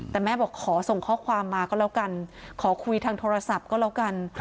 แต่แม่บอกขอส่งข้อความมาก็แล้วกันขอคุยทางโทรศัพท์ก็แล้วกัน